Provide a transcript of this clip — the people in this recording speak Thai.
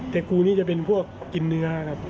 เตกรูลิงจะเป็นพวกกินเนื้อครับ